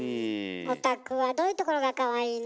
お宅はどういうところがかわいいの？